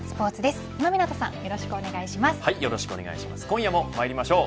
今夜もまいりましょう。